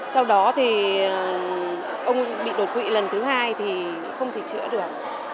sau đó thì ông bị đột quỵ lần thứ hai thì không thể chữa được